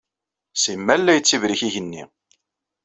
Simal la yettibrik yigenni.